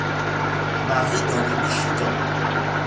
Marie dans le Michigan.